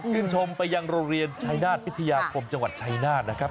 ขึ้นชมไปยังโรงเรียนชัยนาธิพิธิาคมจังหวัดชัยนาธินะครับ